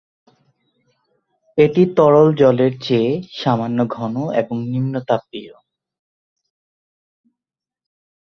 এটি তরল জলের চেয়ে সামান্য ঘন এবং নিম্নতাপীয়।